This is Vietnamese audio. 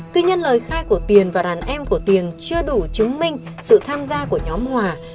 tuy nhiên lời khai của tiền và đàn em của tiền chưa đủ chứng minh sự tham gia của nhóm hòa